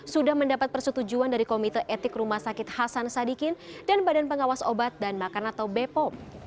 sudah mendapat persetujuan dari komite etik rumah sakit hasan sadikin dan badan pengawas obat dan makan atau bepom